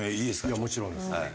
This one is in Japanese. いやもちろんです。